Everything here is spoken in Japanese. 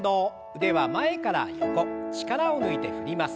腕は前から横力を抜いて振ります。